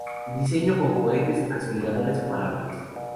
Diseño con cohetes aceleradores separables.